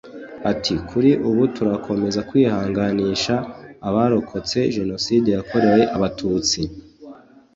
Ati “kuri ubu turakomeza kwihanganisha abarokotse Janoside yakorewe Abatutsi